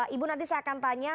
ibu nanti saya akan tanya